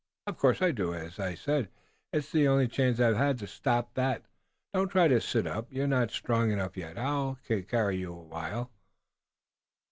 "Of course I do. As I said, it's the only chance I've had. Stop that! Don't try to sit up! You're not strong enough yet. I'll carry you awhile."